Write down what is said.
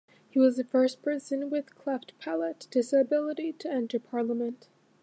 He was the first person with the cleft palate disability to enter Parliament.